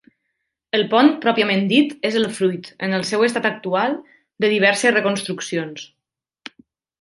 El pont pròpiament dit és el fruit, en el seu estat actual, de diverses reconstruccions.